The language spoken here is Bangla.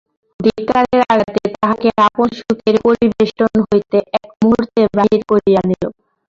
ধিক্কারের আঘাতে তাহাকে আপন শোকের পরিবেষ্টন হইতে এক মুহূর্তে বাহির করিয়া আনিল।